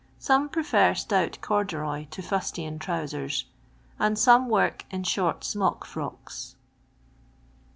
Some prefer stout corduroy to fustian trowsers; and some work in short smock frocks.